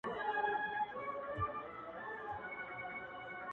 اوس مي د زړه كورگى تياره غوندي دى.